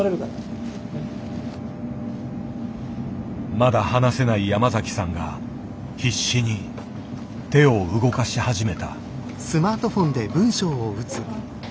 まだ話せない山崎さんが必死に手を動かし始めた。